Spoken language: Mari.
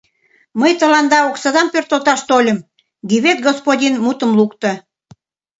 — Мый тыланда оксадам пӧртылташ тольым, — Гивет господин мутым лукто.